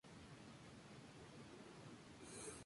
Durante tres períodos fue senadora.